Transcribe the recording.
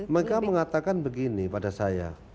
mereka mengatakan begini pada saya